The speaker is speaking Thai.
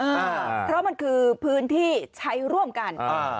อ่าเพราะมันคือพื้นที่ใช้ร่วมกันอ่า